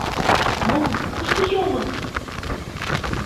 Мо, кушко йомын?..